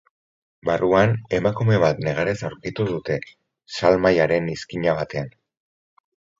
Barruan emakume bat negarrez aurkitu dute, salmahaiaren izkina batean.